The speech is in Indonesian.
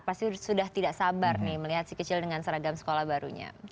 pasti sudah tidak sabar nih melihat si kecil dengan seragam sekolah barunya